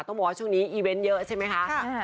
ต้องบอกว่าช่วงนี้อีเวนต์เยอะใช่ไหมคะ